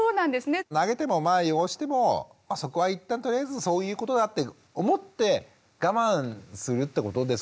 投げてもまあ汚してもそこは一旦とりあえずそういうことだって思って我慢するってことですかね。